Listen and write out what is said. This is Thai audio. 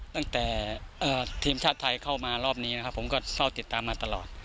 ตั้งแต่ทีมชาติไทยเข้ามารอบนี้นะครับผมก็เฝ้าติดตามมาตลอด